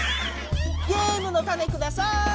ゲームのたねください！